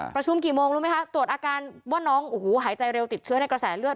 ประชุมกี่โมงรู้ไหมคะตรวจอาการว่าน้องโอ้โหหายใจเร็วติดเชื้อในกระแสเลือด